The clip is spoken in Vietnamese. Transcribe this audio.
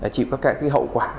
chỉ có cái hậu quả